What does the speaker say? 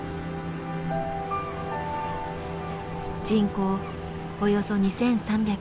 人口およそ２，３００。